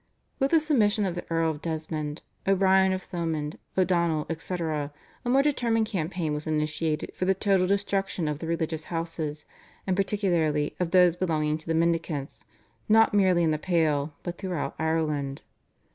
With the submission of the Earl of Desmond, O'Brien of Thomond, O'Donnell, etc., a more determined campaign was initiated for the total destruction of the religious houses, and particularly of those belonging to the Mendicants, not merely in the Pale but throughout Ireland.